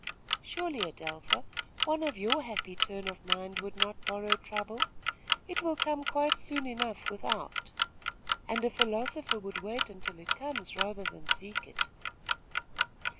"Surely, Adelpha, one of your happy turn of mind would not borrow trouble. It will come quite soon enough without, and a philosopher would wait until it comes rather than seek it."